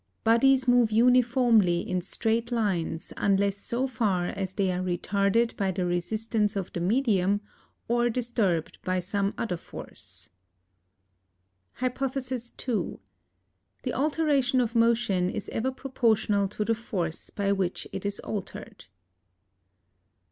Bodies move uniformly in straight lines unless so far as they are retarded by the resistence of the Medium or disturbed by some other force. Hyp. 2. The alteration of motion is ever proportional to the force by which it is altered.